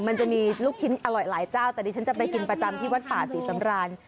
มันจะมีลูกชิ้นอร่อยหลายเจ้าแต่ดิฉันจะไปกินประจำที่วัดป่าศรีสำราน